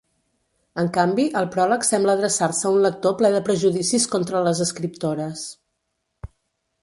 En canvi, el pròleg sembla adreçar-se a un lector ple de prejudicis contra les escriptores.